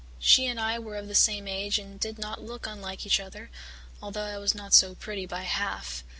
She and I were of the same age and did not look unlike each other, although I was not so pretty by half.